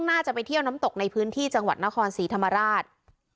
น่าจะไปเที่ยวน้ำตกในพื้นที่จังหวัดนครศรีธรรมราช